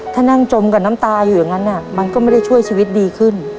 ถ้านั่งจมกับน้ำตาอยู่อย่างนั้นมันก็ไม่ได้ช่วยชีวิตดีขึ้น